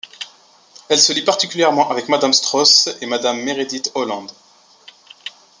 Elle se lie particulièrement avec Madame Straus et Mrs Meredith Howland.